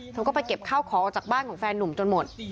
เธอก็ไปเก็บข้าวของออกจากบ้านของแฟนนุ่มจนหมด